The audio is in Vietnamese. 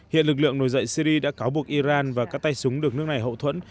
hiện lực lượng nổi dậy syri đã cáo buộc iran và các tay súng được nước này hậu thuẫn